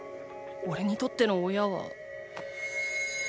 おれにとっての親は。